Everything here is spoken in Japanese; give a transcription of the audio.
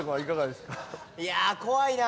いや怖いな。